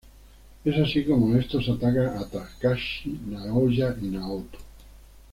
Es así como estos atacan a Takashi, Naoya y Naoto.